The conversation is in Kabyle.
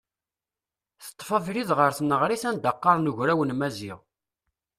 Teṭṭef abrid ɣer tneɣrit anda qqaren ugraw n Maziɣ.